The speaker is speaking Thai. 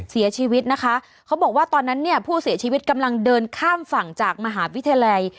เสียชีวิตนะคะเขาบอกว่าตอนนั้นเนี่ยผู้เสียชีวิตกำลังเดินข้ามฝั่งจากมหาวิทยาลัย